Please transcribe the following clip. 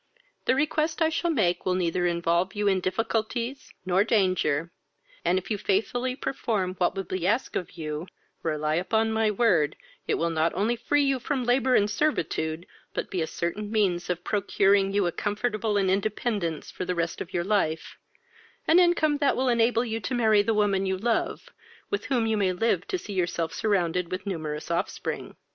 The request I shall make will neither involve you in difficulties not danger; and if you faithfully perform what will be asked of you, rely upon my word, it will not only free you from labour and servitude, but be a certain means of procuring you a comfortable independence for the rest of your life, an income that will enable you to marry the woman you love, with whom you may live to see yourself surrounded with a numerous offspring.